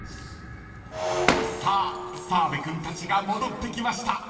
［さあ澤部君たちが戻ってきました］